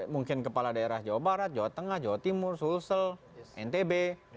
mungkin kepala daerah jawa barat jawa tengah jawa timur sulsel ntb